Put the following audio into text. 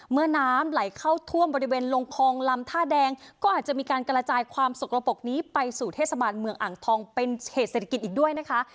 เมื่อน้ำไหลเข้าท่วมบริเวณลงคลองลำท่าแดงก็อาจจะมีการกระจายความสกระปกนี้ไปสู่เทศบาลเมืองอ่างทองเป็นเหตุเศรษฐกิจอีกด้วยนะคะ